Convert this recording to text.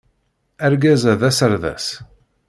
Argaz-a d aserdas.